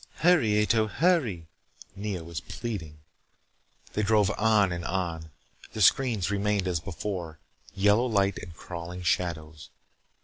"Hurry, Ato. Hurry," Nea was pleading. They drove on and on. The screens remained as before. Yellow light and crawling shadows.